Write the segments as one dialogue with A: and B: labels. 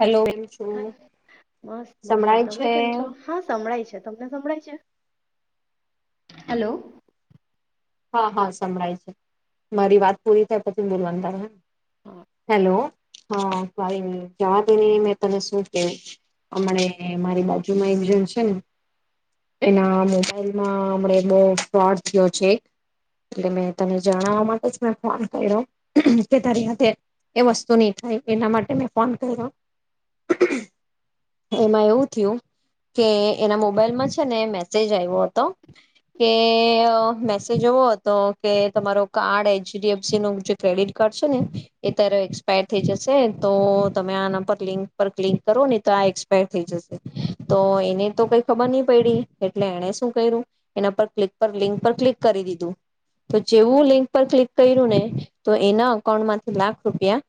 A: Hello કેમ છો
B: મસ્ત મજા.
A: સંભળાય
B: તમે
A: છે
B: કેમ છો? હા સંળાય છે તમને સંભળાય છે? હલો
A: હા હાળાય છે મારી વાત પૂરી થાય પછ બલવંદાર હે. હેલો હા ભાઈ જવાતીને મેં તને શું ક્યું હમ મારી બાજુમાં એક જણ છે ને એના મોબાઈલમાં હમ બહ ફ્રોડ થયો છે. એટલે મે તને જણાવવા માટે જ મેં ફોન કર્યો કે તારી એ વસ્તુ નહી થાય એના માટે મે ફોન કર્યો એમાં એવું થયું કે એના મોબાઈલમાં છે ને મેસેજ આવ્યો હતો કે તે જવો હતો કે તમારોું કાર્ડ એચડીએફસી નું જે ક્રેડિટ કાર્ડ છે ને. એ તારો એક્સપાયર થઈ છે તો તમે આના પર લિંક પર ક્લિક કરો ને તો આ એક્સપાયર થઈ જશે, તો એને તો કઈ ખબર નહી પડી એટલે એણે શું કર્યું એના પર ક્લિક પર લિંક પર ક્લિક. ું તો જેવું લિંક પર ક્લિક કર્યું ને તો એના અકાઉન્ટમાંથી લાખ રૂપિયા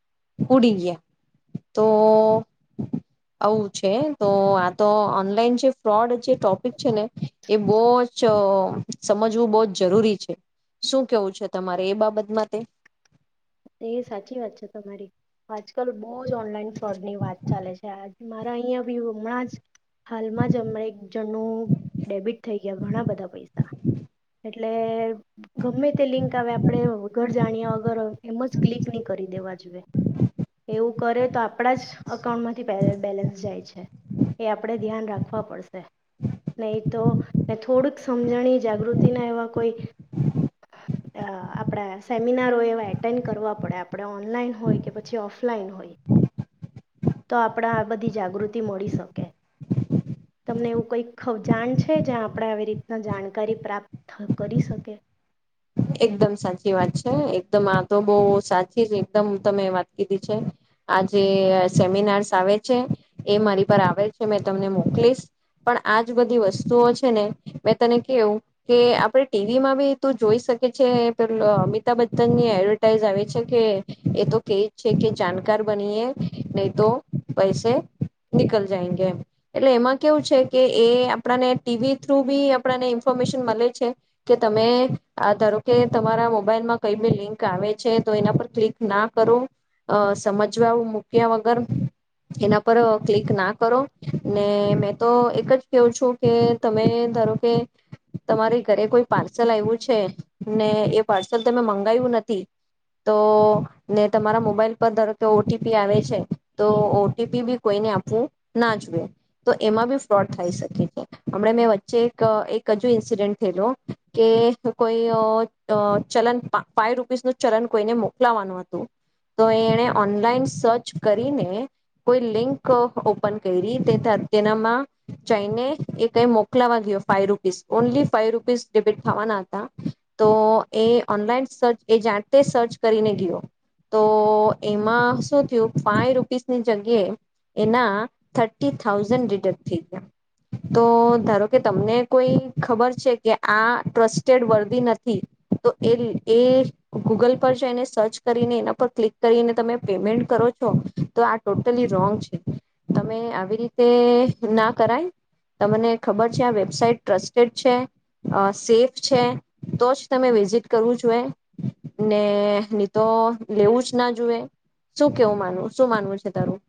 A: ઉડી ગયા તો આવું છે તો આ તો ઓનલાઈન જે ફ્રોડ જે ટોપિક છે ને એ બહ જ સમજવું બહ જ જરૂરી છે. શું કેવું છે? તમારે એ બાબત માટે.
B: એ સાચી વાત છે તમારી આજકાલ બહુ જ ઓનલાઈન ફ્રોડ ની વાત ચાલે છે, મારા અહિયાં બી હમણાં જ હાલમાં જ હમણાં એક જણનું ડેબિટ થઈ ગયા ઘણા બધા પૈસા. એટલે ગમે તે લિંક આવે આપણે વ ઘર જાણ્યા વગર એમ જ ક્લિક નહી કરી દેવા જોઈએ એવું કરે તો આપણા જ અકાઉન્ટમાંથી બેલેન્સ જાય છે એ આપણે ધ્યાન રાખવા પડશે નહી તો ને થોડક સમજણી જાગૃતિના એવા કોઈ આપણા સેમિનારો એવા એક એટેન્ડ કરવા પડે આપણે ઓનલાઈન હોય કે પછી ઓફલાઈન હોય તો આપણે આ બધી જાગૃતિ મળી શકે તમને એવું કઈક જાણ છે જ્યાં આપણે આવી રીતના જાણકારી પ્રાપ્ત કરી શકે
A: એકદમ સાચી વાત છે. એકદમ આ તો બહ સાચી જ એકદમ તમે વાત કીધી છે આ જે સેમિનાર્સ આવે છે એ મારી પર આવે છે મે તમને મોકલીસ પણ આજ બધી વસ્તુઓ છે ને મેં તને કેવું કે આપણે ટીવીમાં બી તું જોઈ શકી પે અમિતાભ બચ્ચન ની એડવર્ટાઈઝ આવે છે કે એ તો કે છે કે જાણકાર બનીએ નહી તો પૈસે નીકલ જાય એમ એટલે એમાં કેવું છે કે એ આપણને ટીવી થ્રુ બી આપણને ઇન્ફોર્મેશન મળે છે કે તમે ધારો કે તમારા મોબાઈલમાં કઈ બી લિંક આવે છે તો એના પર ક્લિક ના કરો સમજવા મૂક્યા વગર એના પર ક્લિક ના કરો ને મેં તો એક જ કહું છું કે તમે ધારો કે તમારે ઘરે કોઈ પાર્સલ આવ્યું છે ને એ પાર્સલ તમે મંગાયું નથી તો ને તમારા મોબાઈલ પર દરે કે ઓટીપી આવે છે તો ઓટીપી બી કોઈને આપવું ના જોઈએ તો એમાં બી ફ્રોડ થાય શકે છે હમણા મેં વચ્ચે એક એક હજુ ઇન્સિડન્ટ થયેું કે કોઈ ચલન ફાઈવ રૂપીસ નું ચલન કોઈને મોકલાવાનું હતું તો એણે ઓનલાઈન સર્ચ કરીને કોઈ લિંક ઓપન કરી તેનામાં જઈને એ કઈ મોકલાવા ગયો ફા rupees only five rupees debit ખાવાના હતા તો એ ઓનલાઈન સર્ચ એ જાતે સર્ચ કરીને ગયો તો એમાં શું થયું ફાઈ રૂપીસની જગ્યાએ એના થર્ટી થઉઝન્ડ રિડક્ટ થઈ ગયા તો ધારો કે તમને કોઈ ખબર છે કે આ ટ્રસ્ટેડ વર્ નથી તો એ એ ગૂગલ પર જો એને સર્ચ કરીને એના પર ક્લિક કરીને તમે પેમેન્ટ કરો છો તો આ ટોટલી રોંગ છે તમે આવી રીતે ના કરાય તમને ખબર છે આ વેબસાાઈટ ટ્રસ્ટેડ છે સેફ છે તો જ તમે વિઝિટ કરવું જોએ ને નની તો લેવું જ ના જોુએ શું કેવું માનવું શું માનવું છે તારું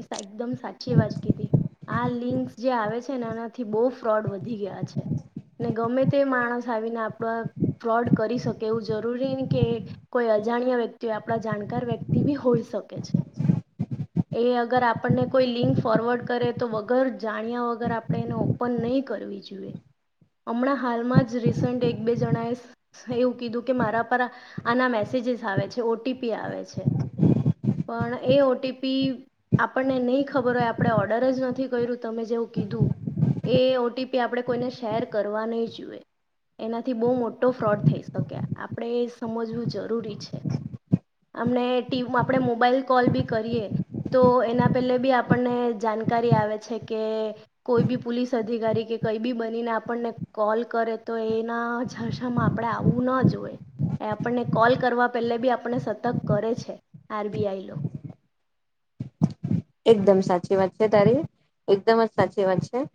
B: એ એકદમ સાચી વાત કીધી આ લિક જે આવે છે ને એનાથી બહુ ફ્રોડ વધી ગયા છે ને ગમે તે માણસ આવીને આપણા ફ્રોડ કરી શકે એવું જરૂરી કે કોઈ અજાણ્યા વ્યક્તિ હોય આપણા જાણકાર વ્યક્તિ બી હોઈ શકે છે એ અગર આપણને કોઈ લિંક ફોરવર્ડ કરે તો વગર જાણ્યા વગર આપણે એને ઓપન નહી કરવી જોઈએ, હમણાં હાલમાં જ રીસન્ટ એક બે જણાએ એવું કીધું કે મારા પર આના મેસેજસ આવે છે ઓટીપી આવે છે. પણ એ ઓટીી પી આપણને નહીં ખબર હોય આપણે ઓર્ડર જ નથી કર્યું તમે જેવું કીધું ઓટીપી આપણે કોઈને શેર કરવા નહી જોઈએ એનાથી બહુ મોટો ફ્રોડ થઈ શકકે આપણે એ સમજવું જરૂરી છે અમણે ટી આપણે મોબાઈલ કોલ બી કરીએ તો એના પહેલે બી આપણને જાણકારી આવે છે કે કોઈ બી પોલીસ અધિકારી કે કંઈ બી બનીને આપણને કોલ કરે તો એના જશામાં આપણે આવવું ન જોએ એ આપણને કોલ કરવા પહેલે બી આપણને સતર્ક કરે છે આરબીઆઈ લો
A: એકદમ સાચી વાત છે તારી એકદમ જ સાચી વાત છે